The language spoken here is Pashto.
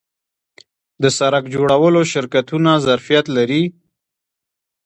د سرک جوړولو شرکتونه ظرفیت لري؟